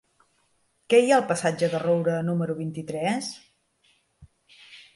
Què hi ha al passatge de Roura número vint-i-tres?